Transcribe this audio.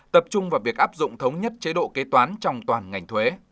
tập trung vào việc áp dụng thống nhất chế độ kế toán trong toàn ngành thuế